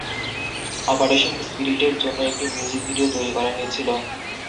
Operation স্পিরিটের জন্য একটি মিউজিক ভিডিও তৈরি করা হয়েছিল।